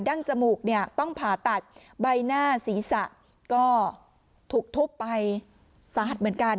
ั้งจมูกเนี่ยต้องผ่าตัดใบหน้าศีรษะก็ถูกทุบไปสาหัสเหมือนกัน